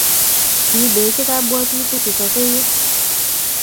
Kiibechi kabwatutik Kipokeio